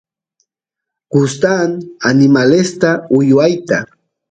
gustan animalesta uywata